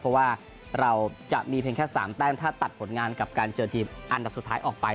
เพราะว่าเราจะมีเพียงแค่๓แต้มถ้าตัดผลงานกับการเจอทีมอันดับสุดท้ายออกไป